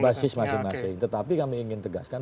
basis masing masing tetapi kami ingin tegaskan